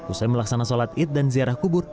usai melaksanakan sholat id dan ziarah kubur